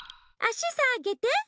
あしさげて！